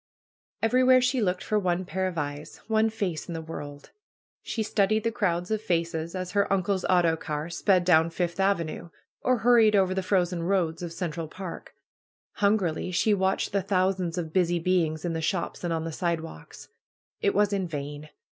Everywhere she looked for one pair of eyes, one face in the world. She studied the crowds of faces, as her uncle's autocar sped down Fifth Avenue, or hurried over the frozen roads of Central Park. Hungrily she watched the thousands of busy beings in the shops and on the sidewalks. It was in vain.